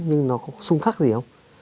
nhưng nó có sung khắc gì không